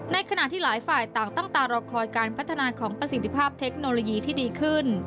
ขณะที่หลายฝ่ายต่างตั้งตารอคอยการพัฒนาของประสิทธิภาพเทคโนโลยีที่ดีขึ้น